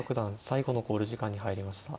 最後の考慮時間に入りました。